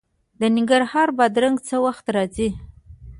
د ننګرهار بادرنګ څه وخت راځي؟